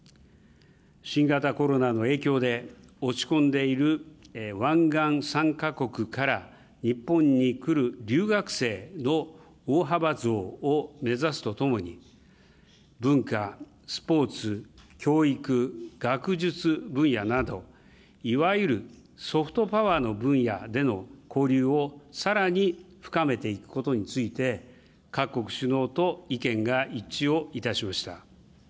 新型コロナの影響で落ち込んでいる湾岸３か国から日本に来る留学生の大幅増を目指すとともに、文化、スポーツ、教育・学術分野など、いわゆるソフトパワーの分野での交流をさらに深めていくことについて、各国首脳と意見が一致をいたしました。